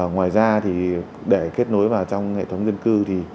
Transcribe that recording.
ngoài ra thì để kết nối vào trong hệ thống dân cư thì